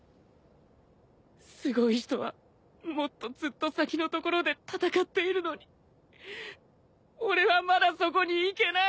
すごい人はもっとずっと先のところで戦っているのに俺はまだそこにいけない。